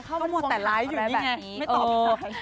ก็แมวแต่ไลน์อีกอยู่แบบนี้